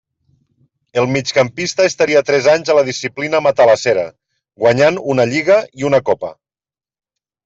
El migcampista estaria tres anys a la disciplina matalassera, guanyant una lliga i una copa.